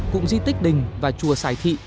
cụng di tích đình và chùa sài thị